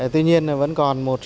tuy nhiên vẫn còn một số ít